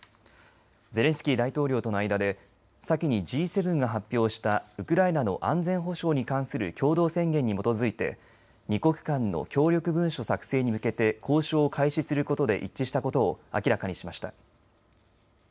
ゼレンスキー大統領との間で先にＧ７が発表したウクライナの安全保障に関する共同宣言に基づいて二国間の協力文書作成に向けて交渉を開始することで一致したことを明らかにしました。